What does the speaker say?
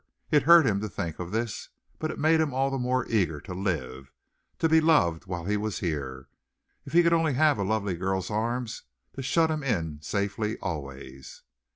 It hurt him to think of this, but it made him all the more eager to live, to be loved while he was here. If he could only have a lovely girl's arms to shut him in safely always!